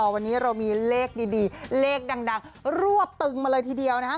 วันนี้เรามีเลขดีเลขดังรวบตึงมาเลยทีเดียวนะครับ